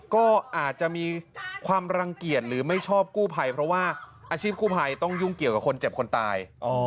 ก็อาจจะมีความรังเกียจหรือไม่ชอบกู้ภัยเพราะว่าอาชีพกู้ภัยต้องยุ่งเกี่ยวกับคนเจ็บคนตาย